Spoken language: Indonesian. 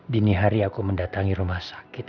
dini hari aku mendatangi rumah sakit